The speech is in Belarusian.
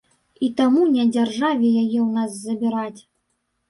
І таму не дзяржаве яе ў нас забіраць.